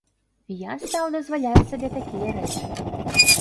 Я стаў дазваляць сабе такія рэчы.